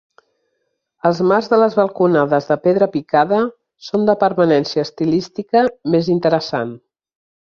Els marcs de les balconades de pedra picada són de permanència estilística més interessant.